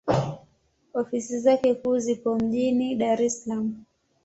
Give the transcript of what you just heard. Ofisi zake kuu zipo mjini Dar es Salaam.